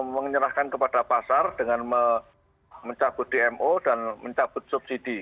menyerahkan kepada pasar dengan mencabut dmo dan mencabut subsidi